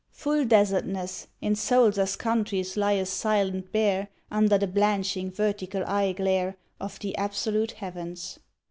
Full desertness, In souls as countries lieth silent bare Under the blanching, vertical eye glare Of the absolute heavens.